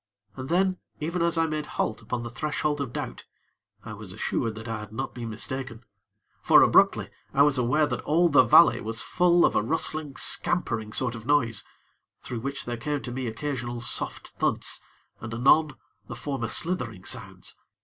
And then, even as I made halt upon the threshold of doubt, I was assured that I had not been mistaken; for, abruptly, I was aware that all the valley was full of a rustling, scampering sort of noise, through which there came to me occasional soft thuds, and anon the former slithering sounds.